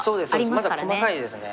まだ細かいですね。